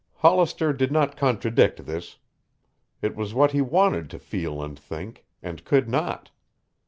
Hollister did not contradict this. It was what he wanted to feel and think, and could not.